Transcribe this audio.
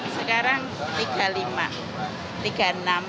sekarang tiga lima tiga enam